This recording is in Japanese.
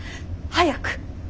早く。